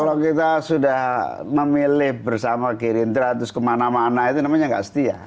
kalau kita sudah memilih bersama gerindra terus kemana mana itu namanya gak setia